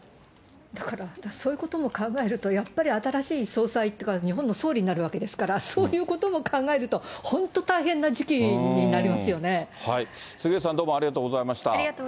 だから、私そういうことも考えると、やっぱり新しい総裁というか、日本の総理になるわけですから、そういうことも考えると、杉上さん、ありがとうございました。